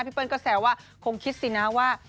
เปิ้ลก็แซวว่าคงคิดสินะว่า